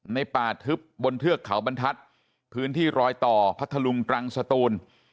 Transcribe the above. ป่าทึบบนเทือกเขาบรรทัศน์พื้นที่รอยต่อพัทธลุงตรังสตูน